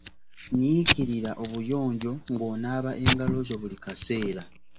Nyiikirira obuyonjo ng’onaaba engalo zo buli kaseera.